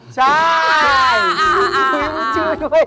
ใช่